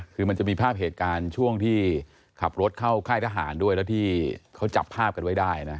คือมันจะมีภาพเหตุการณ์ช่วงที่ขับรถเข้าค่ายทหารด้วยแล้วที่เขาจับภาพกันไว้ได้นะ